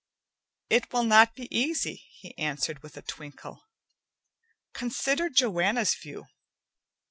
"It will not be easy," he answered with a twinkle. "Consider Joanna's view.